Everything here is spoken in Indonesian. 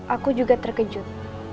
aku juga terkejut